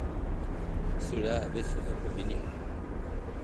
Cela avait ses inconvénients.